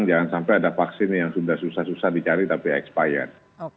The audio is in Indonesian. jangan sampai ada vaksin yang sudah susah susah dicari tapi expired